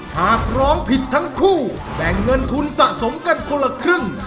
หากร้องผิดทั้งคู่แบ่งเงินทุนสะสมกันคนละครึ่ง